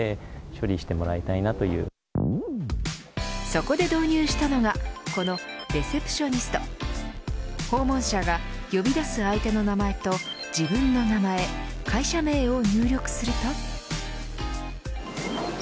そこで導入したのがこのＲＥＣＥＰＴＩＯＮＩＳＴ訪問者が、呼び出す相手の名前と自分の名前会社名を入力すると。